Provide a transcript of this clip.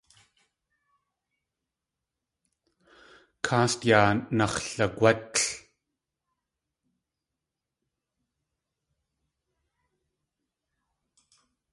Káast yaa nax̲lagwátl.